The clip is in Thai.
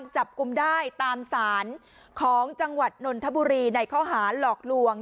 จับกลุ่มได้ตามสารของจังหวัดนนทบุรีในข้อหาหลอกลวง